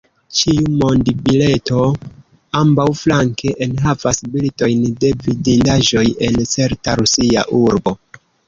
Ĉiu monbileto ambaŭflanke enhavas bildojn de vidindaĵoj en certa rusia urbo.